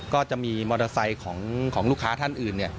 ก็จะมีมอเตอร์ไซค์ของลูกค้าท่านอื่น